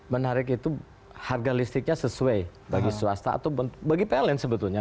menarik itu harga listriknya sesuai bagi swasta atau bagi pln sebetulnya